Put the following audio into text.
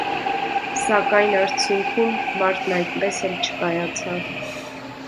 Սակայն արդյունքում մարտն այդպես էլ չկայացավ։